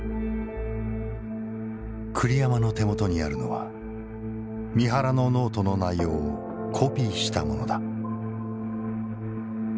栗山の手元にあるのは三原のノートの内容をコピーしたものだ。